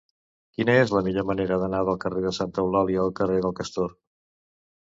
Quina és la millor manera d'anar del carrer de Santa Eulàlia al carrer del Castor?